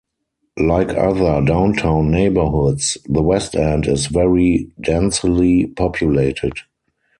Like other downtown neighbourhoods, the West End is very densely populated.